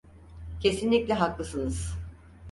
Kesinlikle haklısınız.